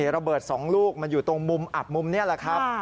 ระเบิด๒ลูกมันอยู่ตรงมุมอับมุมนี่แหละครับ